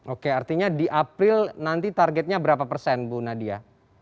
oke artinya di april nanti targetnya berapa persen bu nadia